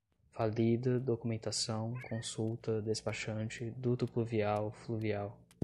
Falida, documentação, consulta, despachante, duto pluvial, fluvial